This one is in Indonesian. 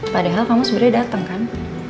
padahal kamu sebenarnya datang kan